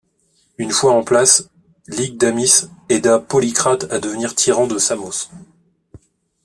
Une fois en place, Lygdamis aida Polycrate à devenir tyran de Samos.